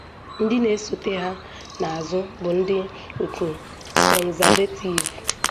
Ndị na-esote ha n’azụ bụ ndị otu Konzavetiv